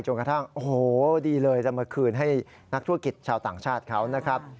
กระทั่งโอ้โหดีเลยจะมาคืนให้นักธุรกิจชาวต่างชาติเขานะครับ